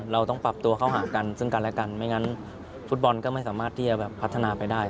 เราต้องปรับตัวเข้าหากันซึ่งกันและกันไม่งั้นฟุตบอลก็ไม่สามารถที่จะแบบพัฒนาไปได้